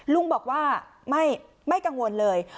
ลุงบอกว่าไม่กังวลเลย